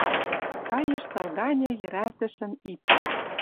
Каеш тыл ганьы йӹрӓлтӹшӹн ип.